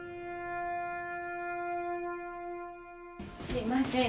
すいません。